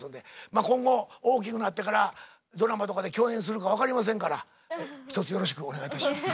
まあ今後大きくなってからドラマとかで共演するか分かりませんからひとつよろしくお願いいたします。